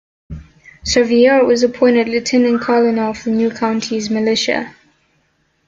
Sevier was appointed lieutenant-colonel of the new county's militia.